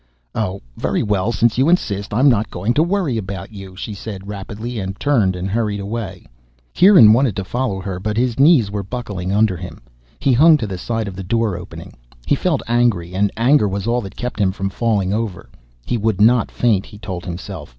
"Oh, very well, since you insist I'm not going to worry about you," she said rapidly, and turned and hurried away. Kieran wanted to follow her but his knees were buckling under him. He hung to the side of the door opening. He felt angry, and anger was all that kept him from falling over. He would not faint, he told himself.